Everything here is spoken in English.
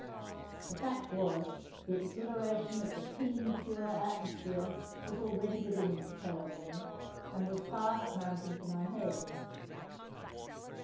The fact was, the exhilaration of the keen pure atmosphere was already beginning to tell on me, and was fast mounting to my head.